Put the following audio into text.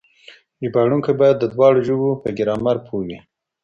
ژباړونکي بايد د دواړو ژبو په ګرامر پوه وي.